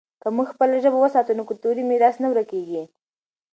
که موږ خپله ژبه وساتو، نو کلتوري میراث نه ورکېږي.